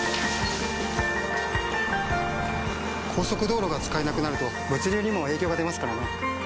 速道路が使えなくなると物流にも影響が出ますからね。